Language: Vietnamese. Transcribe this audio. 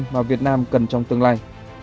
mà việt nam cần trong tương lai